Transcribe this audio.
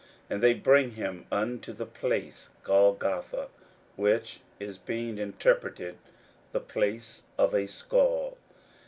41:015:022 And they bring him unto the place Golgotha, which is, being interpreted, The place of a skull.